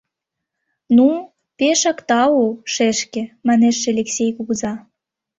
Ну, пешак тау, шешке, — манеш Элексей кугыза.